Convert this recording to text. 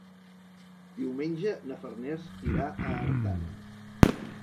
Diumenge na Farners anirà a Artana.